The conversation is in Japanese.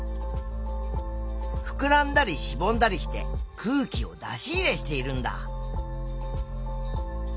ふくらんだりしぼんだりして空気を出し入れしているんだ。